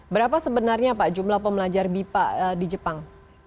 berapa sebenarnya pak jumlah pembelajar bipa di jepang